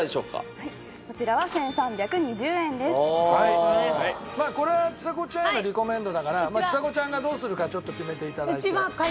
はいこちらはまあこれはちさ子ちゃんへのレコメンドだからちさ子ちゃんがどうするかちょっと決めて頂いて。